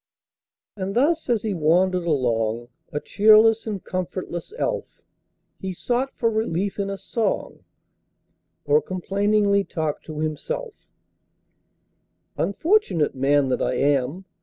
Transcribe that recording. And thus as he wandered along, A cheerless and comfortless elf, He sought for relief in a song, Or complainingly talked to himself:— "Unfortunate man that I am!